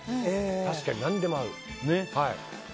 確かに何でも合う。